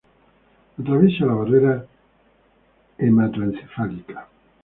Atraviesa la barrera hematoencefálica.